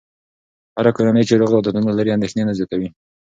هره کورنۍ چې روغ عادتونه لري، اندېښنې نه زیاتوي.